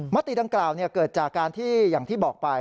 มติดังกล่าวเกิดจากการที่อย่างที่บอกไป